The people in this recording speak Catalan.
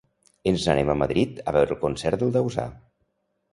Ens n'anem a Madrid a veure el concert del Dausà!